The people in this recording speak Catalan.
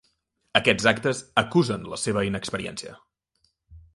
Aquests actes acusen la seva inexperiència.